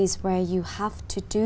sẽ đi học ở canada